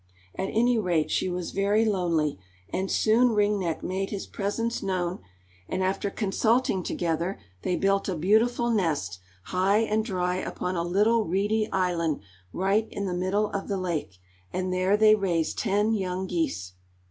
At any rate she was very lonely, and soon Ring Neck made his presence known, and after consulting together, they built a beautiful nest, high and dry upon a little reedy island right in the middle of the lake, and there they raised ten young geese.